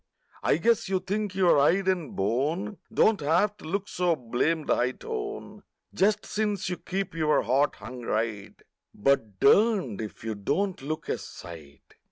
I guess you think your hide and bone Don't have to look so blamed high tone Just since you keep your heart hung right,— But durned if you don't look a sight.